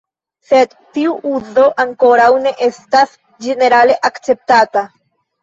Sed tiu uzo ankoraŭ ne estas ĝenerale akceptata.